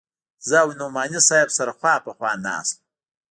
زه او نعماني صاحب سره خوا په خوا ناست وو.